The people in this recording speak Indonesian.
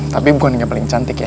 tapi bukan yang paling cantik ya